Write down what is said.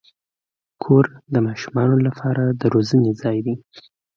کور د ماشومانو لپاره د روزنې ځای دی.